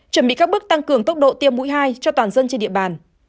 chuẩn bị các bước tăng cường tốc độ tiêm mũi hai cho toàn dân trên địa bàn